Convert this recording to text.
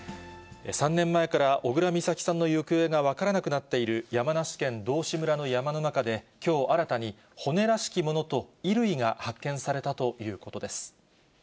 ３年前から小倉美咲さんの行方が分からなくなっている山梨県道志村の山の中で、きょう新たに骨らしきものと衣類が発見されたということです。